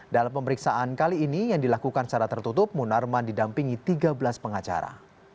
dalam pemeriksaan kali ini yang dilakukan secara tertutup munarman didampingi tiga belas pengacara